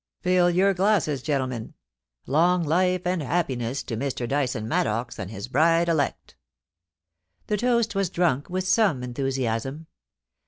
' Fill your glasses, gentlemen. Long life and happiness to Mr. Dyson Maddox and his bride elect !' The toast was drunk with some enthusiasm.